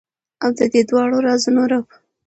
او ددې دواړو رازونو رب ،